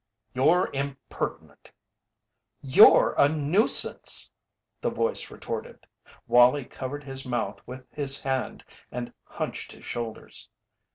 "You're impertinent!" "You're a nuisance!" the voice retorted. Wallie covered his mouth with his hand and hunched his shoulders.